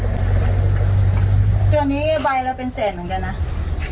ตัวนี้ใบเราเป็นแสนเหมือนกันนะ